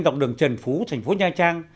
dọc đường trần phú thành phố nha trang